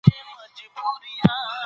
ايا ته له ما سره مرسته کولای سې؟